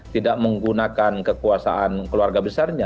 tidak menggunakan kekuasaan keluarga besarnya